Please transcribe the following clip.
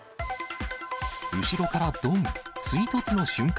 後ろからどん、追突の瞬間。